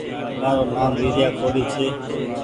مآرو نآم ويريآ ڪوڙي ڇي